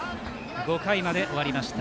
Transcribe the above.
５回まで終わりました。